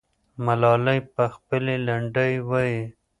ملالۍ به خپلې لنډۍ وایي.